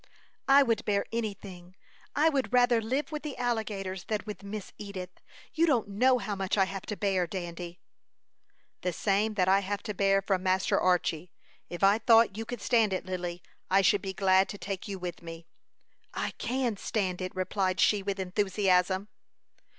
"I would bear any thing. I would rather live with the alligators than with Miss Edith. You don't know how much I have to bear, Dandy." "The same that I have to bear from Master Archy. If I thought you could stand it, Lily, I should be glad to take you with me." "I can stand it," replied she, with enthusiasm.